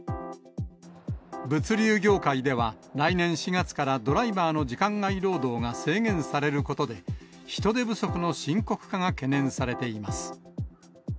物流業界では、来年４月からドライバーの時間外労働が制限されることで、人手不足の深刻化が懸念されています。